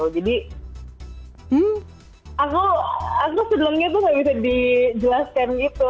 jadi aku sedulungnya tuh gak bisa dijelaskan gitu